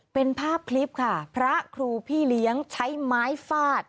เป็นภาพคลิปค่ะพระครูพี่เลี้ยงใช้ไม้ฟาด